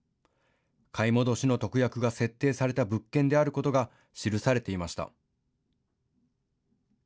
買戻しの特約が設定された物件であることが記されていました。